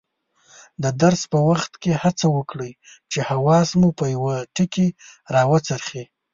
د درس په وخت هڅه وکړئ چې حواس مو په یوه ټکي راوڅرخي.